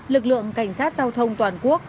lực lượng cảnh sát giao thông toàn quốc